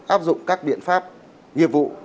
áp dụng các biện pháp nghiệp vụ